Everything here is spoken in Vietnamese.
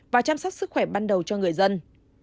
và chăm sóc sức khỏe ban đầu cho người dân